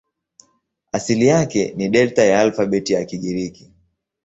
Asili yake ni Delta ya alfabeti ya Kigiriki.